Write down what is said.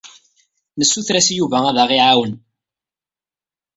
Nessuter-as i Yuba ad aɣ-iɛawen.